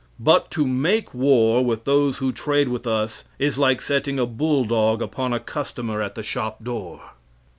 But to make war with those who trade with us is like setting a bull dog upon a customer at the shop door."